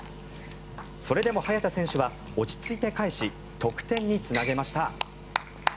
それでも早田選手は落ち着いて返し得点につなげました。